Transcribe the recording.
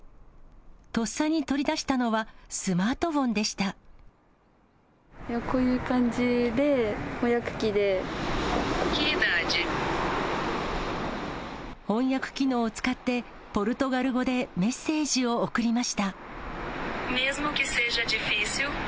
とっさに取り出したのは、スマーこういう感じで、翻訳機能を使って、ポルトガル語でメッセージを送りました。